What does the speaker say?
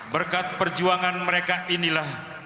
berkat perjuangan mereka inilah